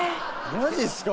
マジっすか！